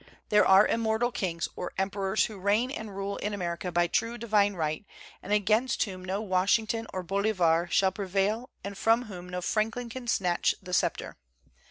There are immortal kings or emperors who reign and rule in America by true divine right and against whom no Washington or Bolivar shall prevail and from whom no Franklin can snatch the sceptre.